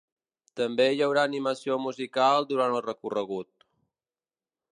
També hi haurà animació musical durant el recorregut.